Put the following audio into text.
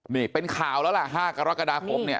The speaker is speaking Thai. นี่เป็นข่าวแล้วล่ะ๕กรกฎาคมเนี่ย